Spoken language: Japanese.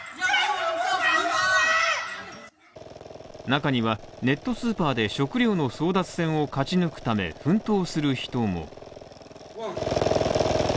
中にはネットスーパーで食料の争奪戦を勝ち抜くため奮闘する人も。